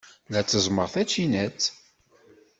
La tteẓẓmeɣ tacinat.